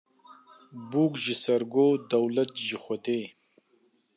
Bûk ji sêrgo dewlet ji Xwedê